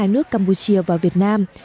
nước campuchia và việt nam